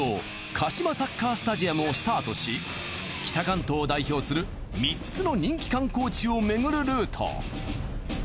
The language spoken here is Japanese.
カシマサッカースタジアムをスタートし北関東を代表する３つの人気観光地を巡るルート。